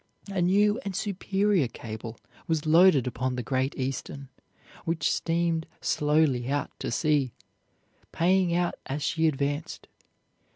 A new and superior cable was loaded upon the Great Eastern, which steamed slowly out to sea, paying out as she advanced.